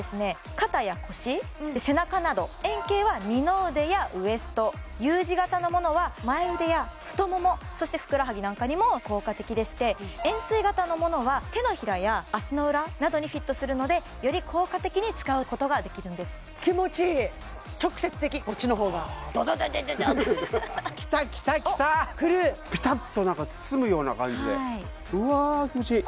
肩や腰背中など円形は二の腕やウエストＵ字形のものは前腕や太ももそしてふくらはぎなんかにも効果的でして円錐形のものは手のひらや足の裏などにフィットするのでより効果的に使うことができるんです気持ちいい直接的こっちの方がドドドドドーってくるきたきたきたピタッと何か包むような感じでうわ気持ちいい